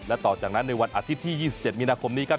และต่อจากนั้นในวันอาทิตย์ที่๒๗มีนาคมนี้ครับ